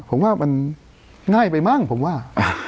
ผมว่ามันง่ายไปมั้งผมว่า